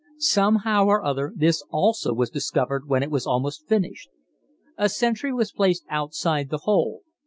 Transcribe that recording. Somehow or other this also was discovered when it was almost finished. A sentry was placed outside the hole.